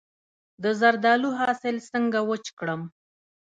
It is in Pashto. د زردالو حاصل څنګه وچ کړم؟